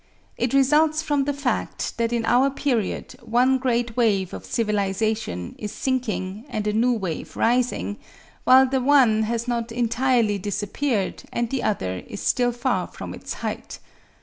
It results from the fact that in our period one great wave of civilization is sinking and a new wave rising, while the one has not entirely disappeared and the other is still far from its height.